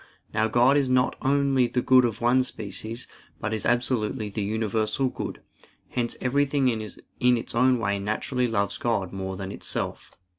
Now God is not only the good of one species, but is absolutely the universal good; hence everything in its own way naturally loves God more than itself.